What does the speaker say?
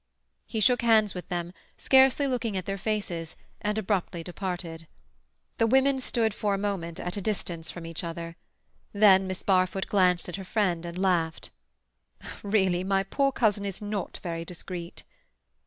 He shook hands with them, scarcely looking at their faces, and abruptly departed. The women stood for a moments at a distance from each other. Then Miss Barfoot glanced at her friend and laughed. "Really my poor cousin is not very discreet."